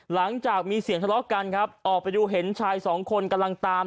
หลังจากมีเสียงทะเลาะกันครับออกไปดูเห็นชายสองคนกำลังตาม